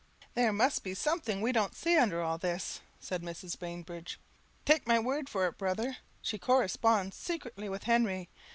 "There must he something we don't see under all this," said Mrs. Bainbridge, "take my word for it, brother, she corresponds secretly with Henry.